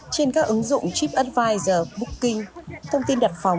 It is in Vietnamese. trên các ứng dụng tripadvisor booking thông tin đặt phòng